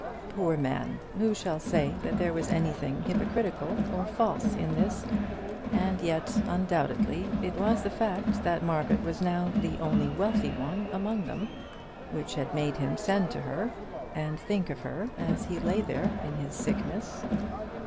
Poor man, who shall say that there was anything hypocritical or false in this? And yet, undoubtedly, it was the fact that Margaret was now the only wealthy one among them, which had made him send to her, and think of her, as he lay there in his sickness.